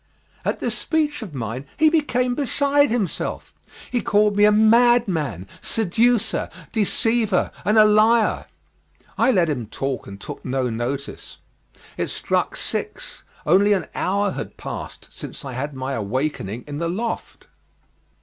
At this speech of mine he became beside himself. He called me a madman, seducer, deceiver, and a liar. I let him talk, and took no notice. It struck six; only an hour had passed since I had my awakening in the loft.